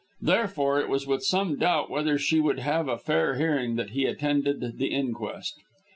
Therefore, it was with some doubt whether she would have a fair hearing that he attended the inquest.